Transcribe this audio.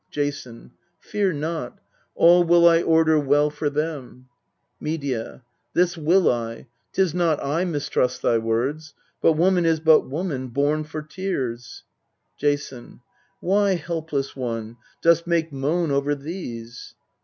Jason. Fear not : all will I order well for them. Mti/cd. This will I : 'Tis not I mistrust thy words; But woman is but woman born for tears. Jason. Why, helpless one, dost make moan over these?